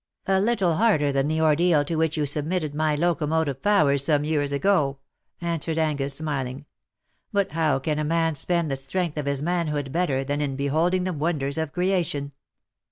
•' A little harder than the ordeal to which you submitted my locomotive powers some years ago/' answered Angus, smiling ;" but how can a man spend the strength of his manhood better than in beholding the wonders of creation